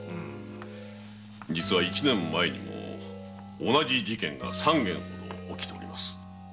実は一年前にも同じ事件が三件ほど起きております。